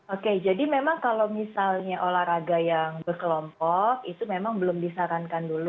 oke jadi memang kalau misalnya olahraga yang berkelompok itu memang belum disarankan dulu